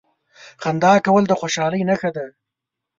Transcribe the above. • خندا کول د خوشالۍ نښه ده.